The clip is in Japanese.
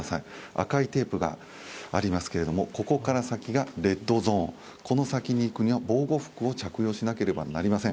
赤いテープがありますけどここから先がレッドゾーンこの先に行くには、防護服を着用しなければなりません。